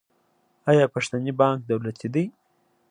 آیا پښتني بانک دولتي دی؟